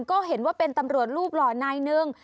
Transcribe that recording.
ก็เห็นว่าเป็นตำรวจรูปหล่อนายหนึ่ง